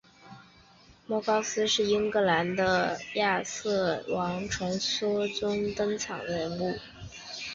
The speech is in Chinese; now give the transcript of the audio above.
摩高斯是英格兰的亚瑟王传说中登场的人物。